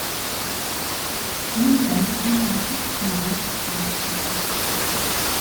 Үүнийг амьдралынхаа өдөр тутмын үйлдэл бүрээс харах боломжтой.